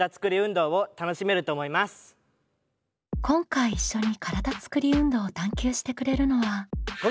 今回一緒に体つくり運動を探究してくれるのは。